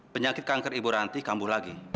penyakit kanker ibu ranti kambuh lagi